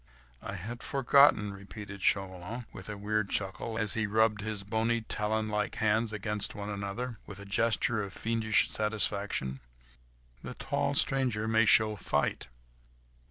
"I had forgotten," repeated Chauvelin, with a weird chuckle, as he rubbed his bony, talon like hands one against the other, with a gesture of fiendish satisfaction. "The tall stranger may show fight.